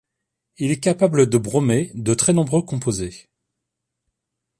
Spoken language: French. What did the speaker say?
Il est capable de bromer de très nombreux composés.